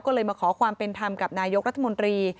ก็เลยมาขอความเป็นธรรมกับนายกรัฐมนตรี